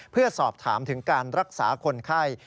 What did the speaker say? เพื่อสอบถามถึงการรักษาคนไข้